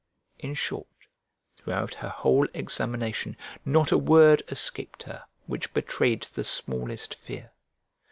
In short, throughout her whole examination, not a word escaped her which betrayed the smallest fear.